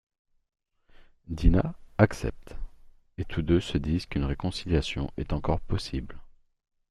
Dinah accepte, et tous deux se disent qu'une réconciliation est encore possible.